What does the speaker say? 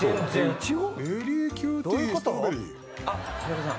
あっ平子さん。